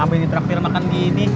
ambil di traktir makan gini